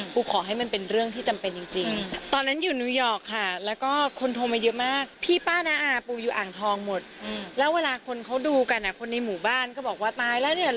ทองหมดแล้วเวลาคนเขาดูกันอ่ะคนในหมู่บ้านก็บอกว่าตายแล้วเนี่ย